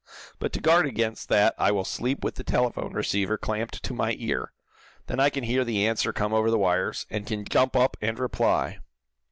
But to guard against that I will sleep with the telephone receiver clamped to my ear. Then I can hear the answer come over the wires, and can jump up and reply."